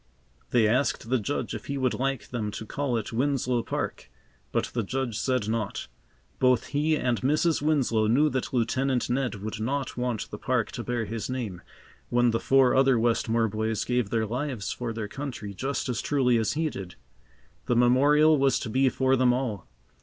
They asked the Judge if he would like them to call it Winslow Park, but the Judge said not. Both he and Mrs. Winslow knew that Lieutenant Ned would not want the park to bear his name, when the four other Westmore boys gave their lives for their country just as truly as he did. The memorial was to be for them all.